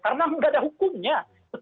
karena nggak ada hukumnya